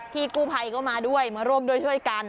พี่กู้ภัยก็มาด้วยมาร่วมด้วยช่วยกัน